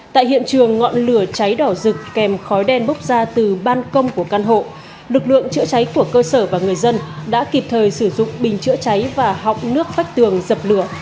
tại hiện trường ngọn lửa cháy đỏ rực kèm khói đen bốc ra từ ban công của căn hộ lực lượng chữa cháy của cơ sở và người dân đã kịp thời sử dụng bình chữa cháy và họng nước vách tường dập lửa